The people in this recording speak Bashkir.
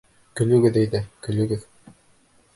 Көлөгөҙ әйҙә, көлөгөҙ.